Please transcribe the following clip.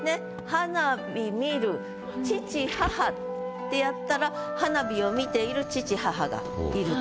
「花火観る父母」ってやったら花火を観ている父母がいると。